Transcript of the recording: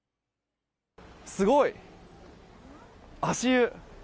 すごい、足湯。